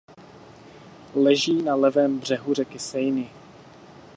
Leží na levém břehu řeky Seiny.